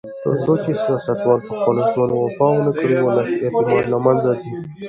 تر څو چې سیاستوال په خپلو ژمنو وفا ونکړي، ولسي اعتماد له منځه ځي.